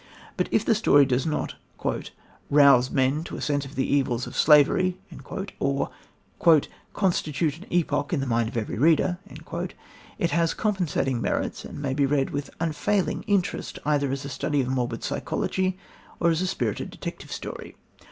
But, if the story does not "rouse men to a sense of the evils of slavery," or "constitute an epoch in the mind of every reader," it has compensating merits and may be read with unfailing interest either as a study of morbid psychology or as a spirited detective story.